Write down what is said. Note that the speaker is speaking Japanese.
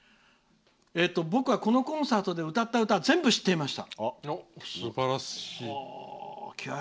「僕はこのコンサートで歌った歌は全部知っていました」。